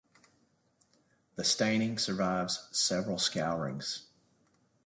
The staining survives several scourings.